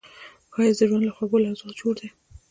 ښایست د ژوند له خوږو لحظو جوړ دی